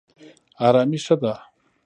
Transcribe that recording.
ارامي ښه ده.